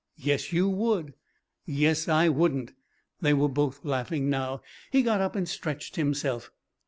"Yes, you would." "Yes, I wouldn't." They were both laughing now. He got up and stretched himself.